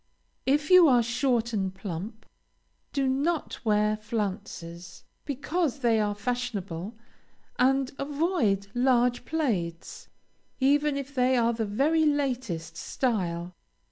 If you are short and plump, do not wear flounces, because they are fashionable, and avoid large plaids, even if they are the very latest style.